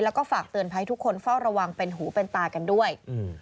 แล้วก็ฝากเตือนภัยทุกคนเฝ้าระวังเป็นหูเป็นตากันด้วย